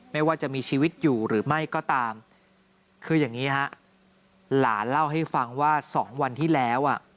ไม่ว่าจะมีชีวิตอยู่หรือไม่ก็ตามคืออย่างนี้ฮะหลานเล่าให้ฟังว่า๒วันที่แล้วอ่ะ